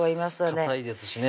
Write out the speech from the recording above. かたいですしね